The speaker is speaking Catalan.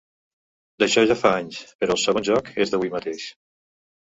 D'això ja fa anys, però el segon joc és d'avui mateix.